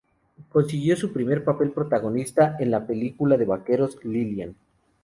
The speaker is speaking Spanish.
Consiguió su primer papel protagonista en la película de vaqueros "Lilian".